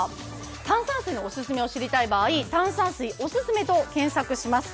炭酸水のおすすめを知りたい場合「炭酸水おすすめ」と検索します。